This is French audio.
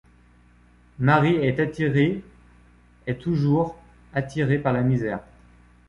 Marie est attirée est toujours attirée par la misère.